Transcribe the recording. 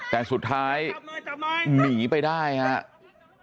แต่สุดท้ายหนีไปได้ครับ